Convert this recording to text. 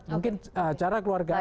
mungkin cara keluarga